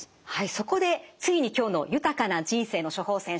そこでついに今日の「豊かな人生の処方せん」